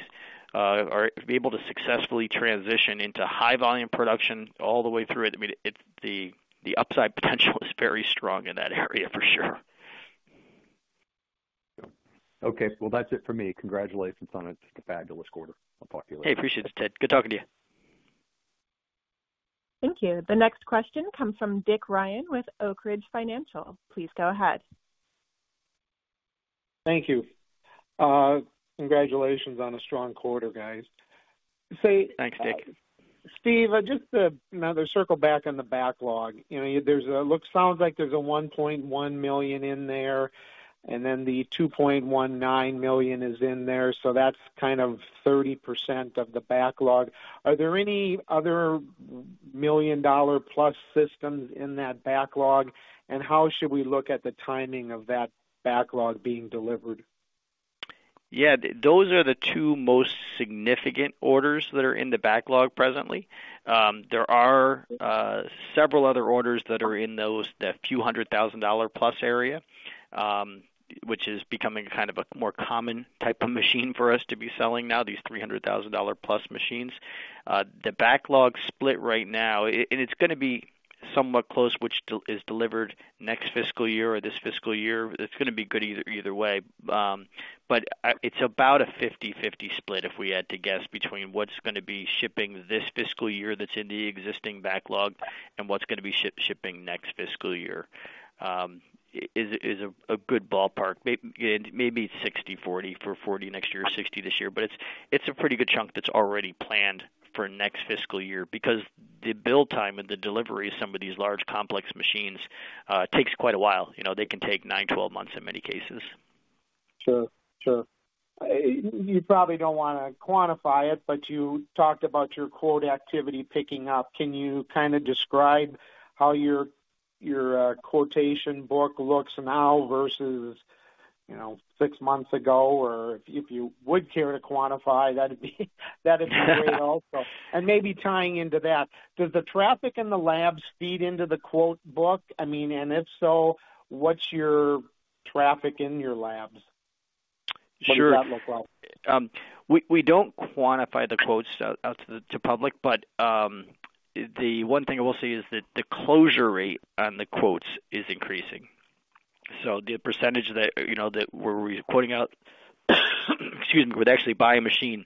Speaker 5: are able to successfully transition into high volume production all the way through it, I mean, it's the upside potential is very strong in that area, for sure.
Speaker 8: Okay, well, that's it for me. Congratulations on a just a fabulous quarter. I'll talk to you later.
Speaker 5: Hey, appreciate it, Ted. Good talking to you.
Speaker 1: Thank you. The next question comes from Richard Ryan with Oak Ridge Financial. Please go ahead.
Speaker 9: Thank you. Congratulations on a strong quarter, guys.
Speaker 5: Thanks, Richard.
Speaker 9: Steve, just to, you know, circle back on the backlog. You know, sounds like there's a $1.1 million in there, and then the $2.19 million is in there, so that's kind of 30% of the backlog. Are there any other million-dollar plus systems in that backlog? And how should we look at the timing of that backlog being delivered?
Speaker 5: Yeah, those are the two most significant orders that are in the backlog presently. There are several other orders that are in those, the few $100,000 plus area, which is becoming kind of a more common type of machine for us to be selling now, these $300,000 plus machines. The backlog split right now, it's going to be somewhat close, which is delivered next fiscal year or this fiscal year. It's going to be good either way. It's about a 50/50 split, if we had to guess, between what's going to be shipping this fiscal year that's in the existing backlog and what's going to be shipping next fiscal year. Is a good ballpark. Maybe 60/40, for 40 next year, 60 this year. It's a pretty good chunk that's already planned for next fiscal year, because the build time and the delivery of some of these large, complex machines takes quite a while. You know, they can take nine to 12 months in many cases.
Speaker 9: Sure. Sure. You probably don't want to quantify it, but you talked about your quote activity picking up. Can you kind of describe how your quotation book looks now versus, you know, six months ago? Or if you would care to quantify, that'd be great also. And maybe tying into that, does the traffic in the labs feed into the quote book? I mean, and if so, what's your traffic in your labs?
Speaker 5: Sure.
Speaker 9: What does that look like?
Speaker 5: We don't quantify the quotes out to the public, but the one thing I will say is that the close rate on the quotes is increasing. So the percentage that, you know, that we're quoting out, excuse me, would actually buy a machine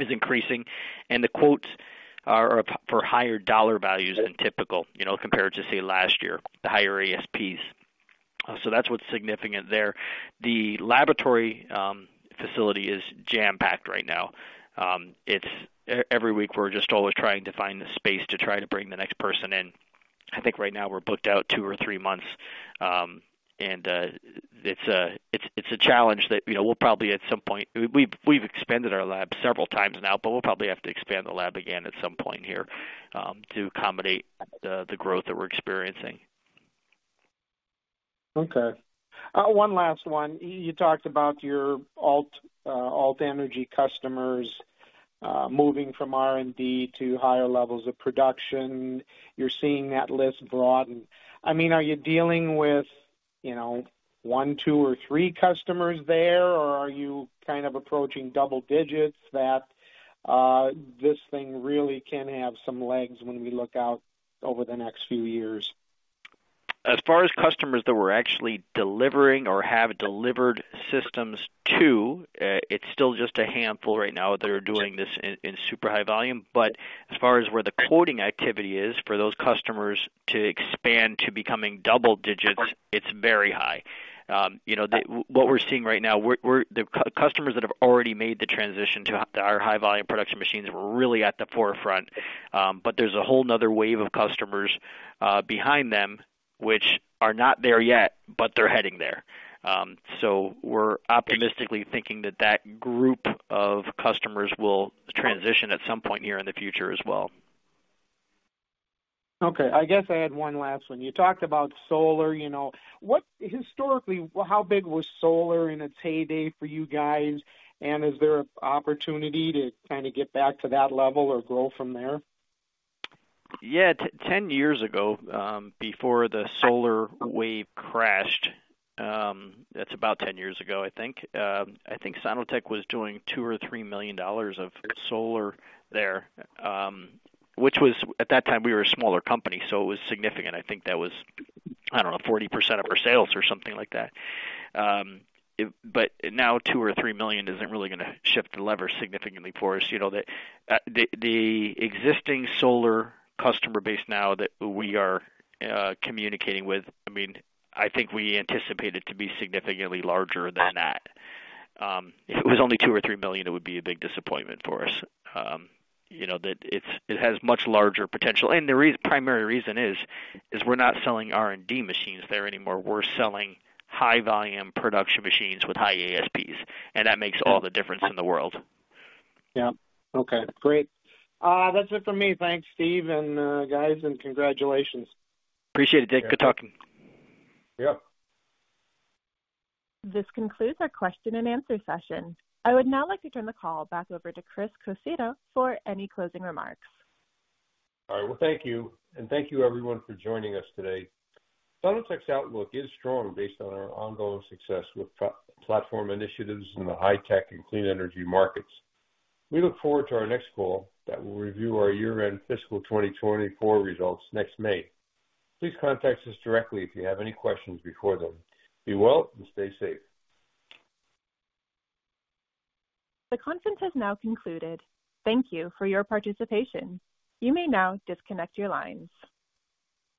Speaker 5: is increasing, and the quotes are for higher dollar values than typical, you know, compared to, say, last year, the higher ASPs. So that's what's significant there. The laboratory facility is jam-packed right now. It's every week, we're just always trying to find the space to try to bring the next person in. I think right now we're booked out two or three months, and it's a challenge that, you know, we'll probably at some point... We've expanded our lab several times now, but we'll probably have to expand the lab again at some point here, to accommodate the growth that we're experiencing.
Speaker 9: Okay. One last one. You talked about your alt energy customers moving from R&D to higher levels of production. You're seeing that list broaden. I mean, are you dealing with, you know, 1, 2, or 3 customers there, or are you kind of approaching double digits that this thing really can have some legs when we look out over the next few years?
Speaker 5: As far as customers that we're actually delivering or have delivered systems to, it's still just a handful right now that are doing this in super high volume. But as far as where the quoting activity is for those customers to expand to becoming double digits, it's very high. What we're seeing right now, the customers that have already made the transition to our high-volume production machines are really at the forefront. But there's a whole another wave of customers behind them, which are not there yet, but they're heading there. So we're optimistically thinking that that group of customers will transition at some point here in the future as well.
Speaker 9: Okay, I guess I had one last one. You talked about solar, you know. What historically, how big was solar in its heyday for you guys? And is there an opportunity to kind of get back to that level or grow from there?
Speaker 5: Yeah. Ten years ago, before the solar wave crashed, that's about 10 years ago, I think. I think Sono-Tek was doing $2-$3 million of solar there, which was, at that time, we were a smaller company, so it was significant. I think that was, I don't know, 40% of our sales or something like that. But now $2-$3 million isn't really going to shift the lever significantly for us. You know, the existing solar customer base now that we are communicating with, I mean, I think we anticipate it to be significantly larger than that. If it was only $2-$3 million, it would be a big disappointment for us. You know, that it has much larger potential, and the primary reason is we're not selling R&D machines there anymore. We're selling high-volume production machines with high ASPs, and that makes all the difference in the world.
Speaker 9: Yeah. Okay, great. That's it for me. Thanks, Steve, and guys, and congratulations.
Speaker 5: Appreciate it, Richard. Good talking.
Speaker 9: Yep.
Speaker 1: This concludes our question-and-answer session. I would now like to turn the call back over to Chris Coccio for any closing remarks.
Speaker 3: All right. Well, thank you, and thank you, everyone, for joining us today. Sono-Tek's outlook is strong based on our ongoing success with platform initiatives in the high-tech and clean energy markets. We look forward to our next call that will review our year-end fiscal 2024 results next May. Please contact us directly if you have any questions before then. Be well, and stay safe.
Speaker 1: The conference has now concluded. Thank you for your participation. You may now disconnect your lines.